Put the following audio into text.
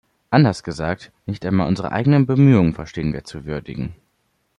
Anders gesagt, nicht einmal unsere eigenen Bemühungen verstehen wir zu würdigen.